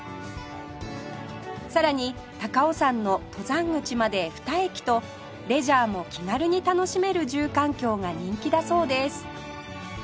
さらに高尾山の登山口まで２駅とレジャーも気軽に楽しめる住環境が人気だそうです